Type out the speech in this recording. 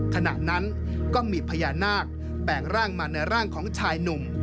ขณะนั้นก็มีพญานาคแปลงร่างมาในร่างของชายหนุ่ม